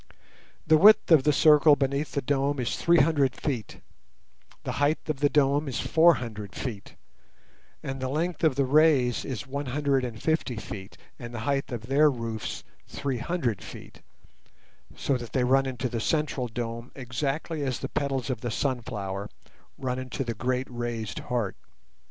The width of the circle beneath the dome is three hundred feet, the height of the dome is four hundred feet, and the length of the rays is one hundred and fifty feet, and the height of their roofs three hundred feet, so that they run into the central dome exactly as the petals of the sunflower run into the great raised heart.